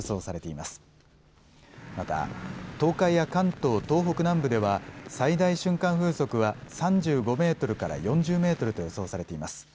また、東海や関東、東北南部では最大瞬間風速は３５メートルから４０メートルと予想されています。